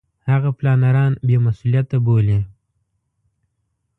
هغه پلانران بې مسولیته بولي.